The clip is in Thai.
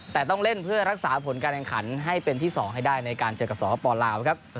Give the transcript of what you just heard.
แต่ต้องเล่นเพื่อรักษาผลการแข่งขันให้เป็นที่๒ให้ได้ในการเจอกับสปลาวครับ